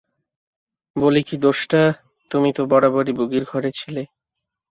বলি কি দোষটা, তুমি তো বরাবরই বুগির ঘরে ছিলে?